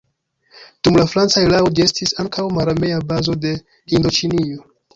Dum la franca erao ĝi estis ankaŭ mararmea bazo de Hindoĉinio.